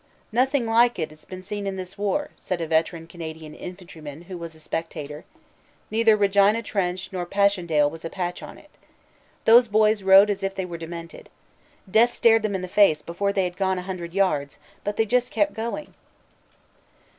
"Nothing like it s been seen in this war," said a veteran Canadian infantryman who was a spectator. "Neither Regina Trench nor Passchendaele was a patch on it. Those boys rode as if they were demented. Death stared them in the face before they had gone a hundred yards; but they just kept going."